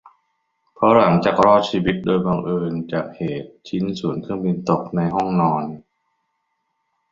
เพราะหลังจากรอดชีวิตโดยบังเอิญจากเหตุชิ้นส่วนเครื่องบินตกในห้องนอน